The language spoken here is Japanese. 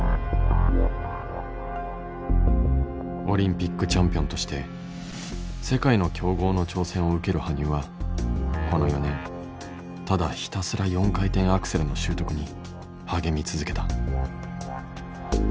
オリンピックチャンピオンとして世界の強豪の挑戦を受ける羽生はこの４年ただひたすら４回転アクセルの習得に励み続けた。